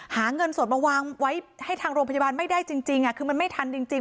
หาเงินสดมาวางไว้ให้ทางโรงพยาบาลไม่ได้จริงคือมันไม่ทันจริง